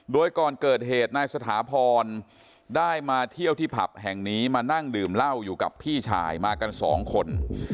โดยก่อนเกิดเหตุนายสถาพรได้มาเที่ยวที่ผับแห่งนี้มานั่งดื่มเหล้าอยู่กับพี่ชายมากันสองคน